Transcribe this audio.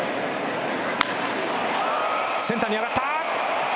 センターに上がった！